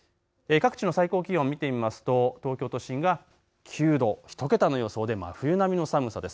各地の最高気温見てみますと東京都心が９度、１桁の予想で真冬並みの寒さです。